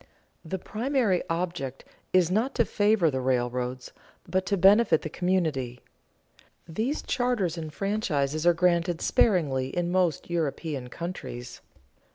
The primary object is not to favor the railroads, but to benefit the community. These charters and franchises are granted sparingly in most European countries.